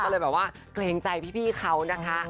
ก็เลยแบบว่าเกรงใจพี่เขานะคะ